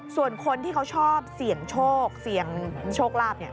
ส่วนคนที่เขาชอบเสี่ยงโชคเสี่ยงโชคลาภเนี่ย